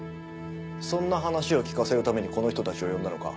そんな話を聞かせるためにこの人たちを呼んだのか。